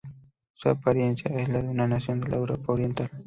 Su apariencia es la de una nación de la Europa Oriental.